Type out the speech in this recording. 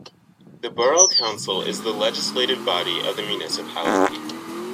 The Borough Council is the legislative body of municipality.